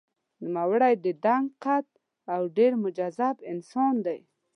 نوموړی دنګ قد او ډېر مهذب انسان دی.